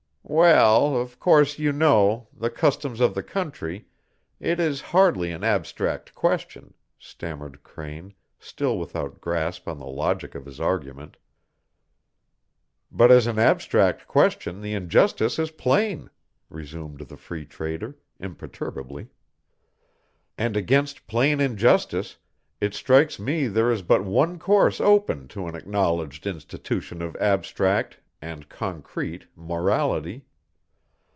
"Well, of course you know the customs of the country it is hardly an abstract question " stammered Crane, still without grasp on the logic of his argument. "But as an abstract question the injustice is plain," resumed the Free Trader, imperturbably. "And against plain injustice it strikes me there is but one course open to an acknowledged institution of abstract and concrete morality.